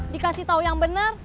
dikasih tau yang bener